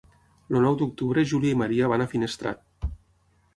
El nou d'octubre na Júlia i na Maria van a Finestrat.